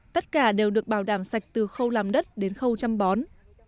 tất cả đều được bảo đảm sạch từ khâu làm đất đến khâu chăm bón